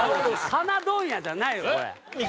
花問屋じゃないよこれ。